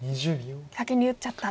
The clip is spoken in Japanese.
先に打っちゃったら。